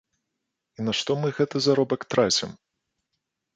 І на што мы гэты заробак трацім?